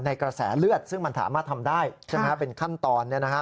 ในกระแสเลือดซึ่งมันถามมาทำได้เป็นขั้นตอน